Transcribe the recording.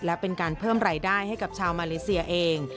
และเป็นการเพิ่มรายได้ให้กับชาวมาเลเซียเอง